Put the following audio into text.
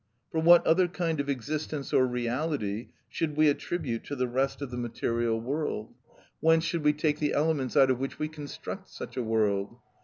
For what other kind of existence or reality should we attribute to the rest of the material world? Whence should we take the elements out of which we construct such a world?